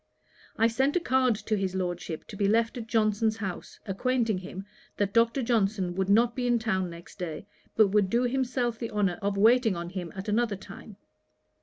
I sent a card to his Lordship, to be left at Johnson's house, acquainting him, that Dr. Johnson could not be in town next day, but would do himself the honour of waiting on him at another time.